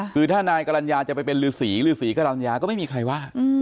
คือถ้านายกรรณญาจะไปเป็นฤษีฤษีกรรณญาก็ไม่มีใครว่า